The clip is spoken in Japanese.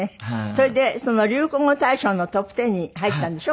それで流行語大賞のトップ１０に入ったんでしょ？